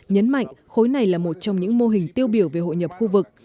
nhấn mạnh khối này là một trong những mô hình tiêu biểu về hội nhập khu vực